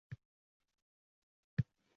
Teranlik bu — o’ychan boqqan ko’zlardadir